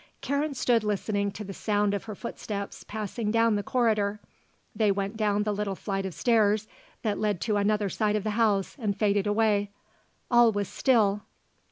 Karen stood listening to the sound of her footsteps passing down the corridor. They went down the little flight of stairs that led to another side of the house and faded away. All was still.